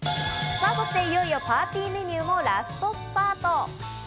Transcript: さぁそして、いよいよパーティーメニューもラストスパート。